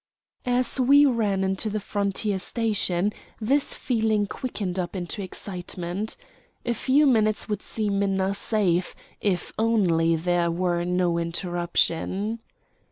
As we ran into the frontier station this feeling quickened up into excitement. A few minutes would see Minna safe, if only there were no interruption.